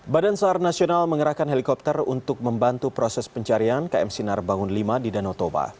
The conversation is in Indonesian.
badan sar nasional mengerahkan helikopter untuk membantu proses pencarian km sinar bangun v di danau toba